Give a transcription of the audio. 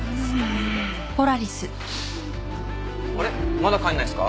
まだ帰んないんですか？